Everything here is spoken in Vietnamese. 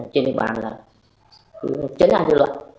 trên địa bàn là chấn án dư luận